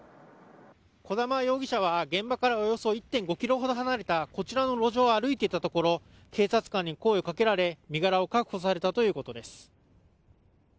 児玉容疑者は現場からおよそ１．５ｋｍほど離れたこちらの路上を歩いていたところ警察官に声をかけられ身柄を確保されたということです。